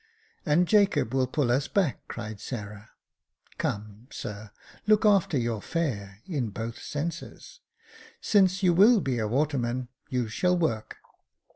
" And Jacob will pull us back," cried Sarah. " Come, sir, look after your fare, in both senses. Since you will be a waterman, you shall work."